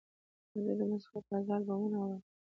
زه د موسیقۍ تازه البومونه اورم.